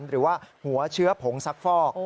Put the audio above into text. หรือว่าหัวเชื้อผงซักฟอก